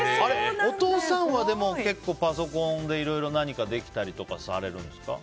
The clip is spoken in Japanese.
お父さんは結構パソコンでいろいろ何かできたりとかされるんですか。